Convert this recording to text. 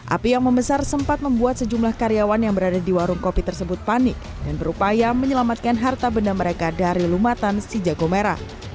api yang membesar sempat membuat sejumlah karyawan yang berada di warung kopi tersebut panik dan berupaya menyelamatkan harta benda mereka dari lumatan si jago merah